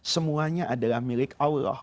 semuanya adalah milik allah